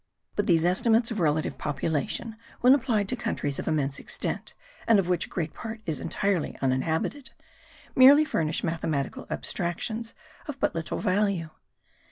But these estimates of relative population, when applied to countries of immense extent, and of which a great part is entirely uninhabited, merely furnish mathematical abstractions of but little value.